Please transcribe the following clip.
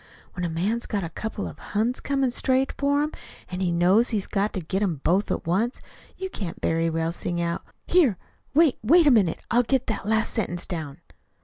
When a man's got a couple of Huns coming straight for him, and he knows he's got to get 'em both at once, you can't very well sing out: 'Here, wait wait a minute till I get that last sentence down!'"